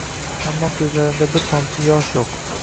Ammo ko’zlarimda bir tomchi yesh yo’q.